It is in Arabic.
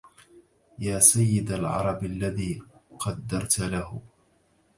يا سيد العرب الذي قدرت له